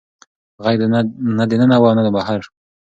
غږ نه د ننه و او نه بهر و.